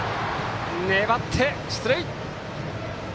粘って、出塁！